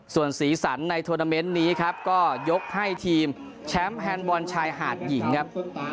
ส่วนสีสันในทวนาเมนต์นี้ครับก็ยกให้ทีมแชมป์แฮนด์บอลชายหาดหญิงครับ